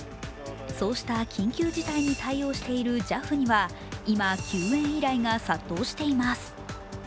そうした緊急事態に対応しているＪＡＦには今、救援依頼が殺到しています。